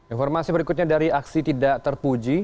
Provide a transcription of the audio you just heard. informasi berikutnya dari aksi tidak terpuji